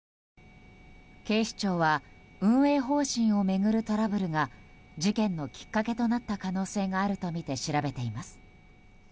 警視庁は運営方針を巡るトラブルが事件のきっかけとなった可能性があるとみて調べています。